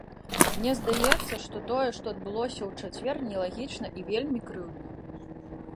Мне здаецца, што тое, што адбылося ў чацвер, нелагічна і вельмі крыўдна.